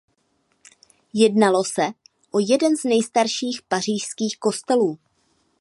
Jednalo se o jeden z nejstarších pařížských kostelů.